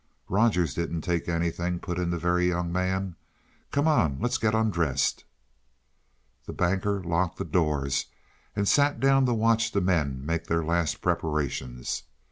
"Rogers didn't take anything," put in the Very Young Man. "Come on; let's get undressed." The Banker locked the doors and sat down to watch the men make their last preparations.